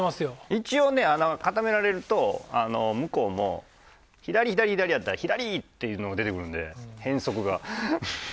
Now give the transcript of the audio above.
一応ね固められると向こうも左左左やったら左！っていうのが出てくるんで変則が。